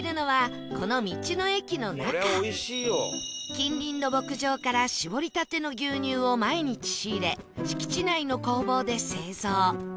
近隣の牧場から搾りたての牛乳を毎日仕入れ敷地内の工房で製造